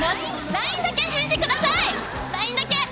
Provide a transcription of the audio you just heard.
ＬＩＮＥだけ！